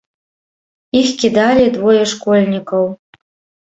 Іх кідалі двое школьнікаў.